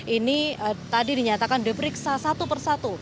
ini tadi dinyatakan diperiksa satu per satu